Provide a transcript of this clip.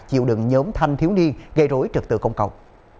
chịu đựng nhóm thanh thiếu niên gây rối trực tự công cộng